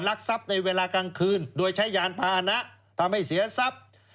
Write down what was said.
รักทรัพย์ในเวลากลางคืนโดยใช้ยานพาหนะทำให้เสียทรัพย์